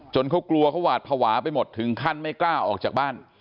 เขากลัวเขาหวาดภาวะไปหมดถึงขั้นไม่กล้าออกจากบ้าน